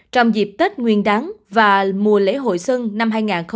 trong dịp tết nguyên đán và mùa lễ hội sân năm hai nghìn hai mươi hai